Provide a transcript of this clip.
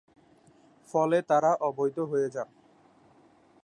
ফলে তারা অবৈধ হয়ে যান।